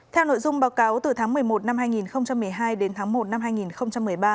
theo nội dung báo cáo từ tháng một mươi một năm hai nghìn một mươi hai đến tháng một năm hai nghìn một mươi ba